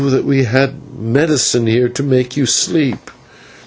that we had medicine here to make you sleep!"